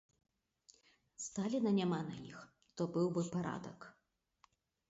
Сталіна няма на іх, то быў бы парадак.